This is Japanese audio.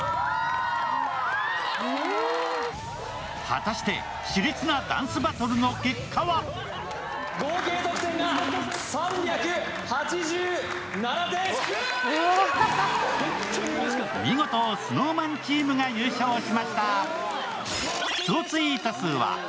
果たして、しれつなダンスバトルの結果は見事、ＳｎｏｗＭａｎチームが優勝しました。